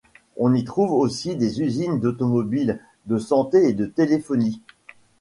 On y trouve aussi des usines d'automobile, de santé et de téléphonie.